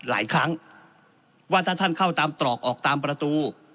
หลายครั้งว่าถ้าท่านเข้าตามตรอกออกตามประตู